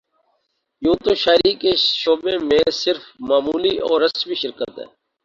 یوں تو شاعری کے شعبے میں صرف معمولی اور رسمی شرکت ہے